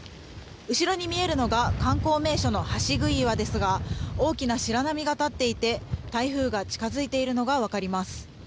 後ろに見えるのが観光名所の橋杭岩ですが大きな白波が立っていて台風が近付いているのがわかります。